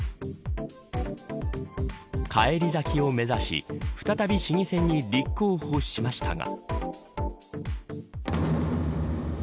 返り咲きを目指し再び市議選に立候補しましたが。